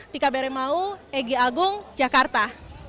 tika bere mau egy agung jakarta